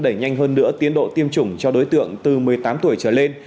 đẩy nhanh hơn nữa tiến độ tiêm chủng cho đối tượng từ một mươi tám tuổi trở lên